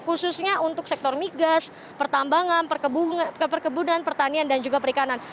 khususnya untuk sektor migas pertambangan perkebunan pertanian dan juga perikanan